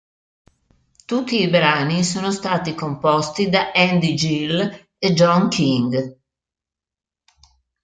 Tutti i brani sono stati composti da Andy Gill e Jon King